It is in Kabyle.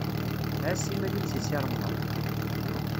Ɛass iman-im seg Si Remḍan.